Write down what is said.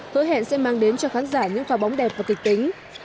hứa hẹn sẽ mang đến cho khán giả những pha bóng đẹp và kịch tính